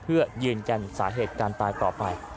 เพื่อยืนยันสาเหตุการตายต่อไป